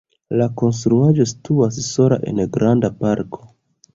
La konstruaĵo situas sola en granda parko.